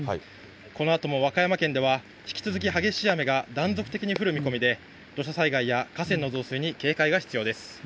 このあとも和歌山県では、引き続き激しい雨が断続的に降る見込みで、土砂災害や河川の増水に警戒が必要です。